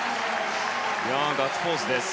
ガッツポーズです。